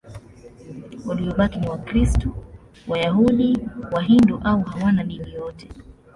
Waliobaki ni Wakristo, Wayahudi, Wahindu au hawana dini yote.